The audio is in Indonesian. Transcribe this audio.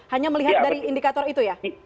hanya melihat dari indikator itu ya